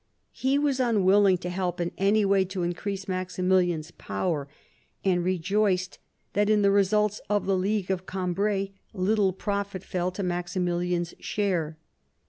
He was un willing to help in any way to increase Maximilian's power, and rejoiced that in the results of the League of Cambrai little profit fell to Maximilian's share.